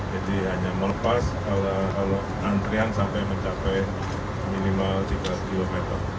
jadi hanya melepas kalau antrian sampai mencapai minimal tiga km